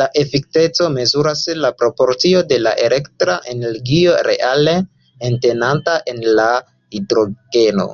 La efikeco mezuras la proporcion de la elektra energio reale entenata en la hidrogeno.